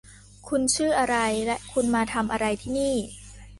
คุณชื่ออะไรและคุณมาทำอะไรที่นี่